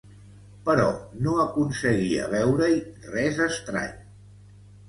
Però no aconseguia veure-hi res estrany.